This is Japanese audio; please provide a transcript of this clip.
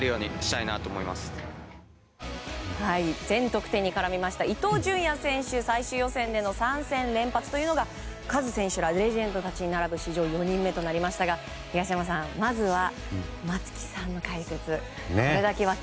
全得点に絡みました伊東純也選手最終予選での３戦連発というのがカズ選手らレジェンドたちに並ぶ史上４人目となりましたがまずは松木さんの解説。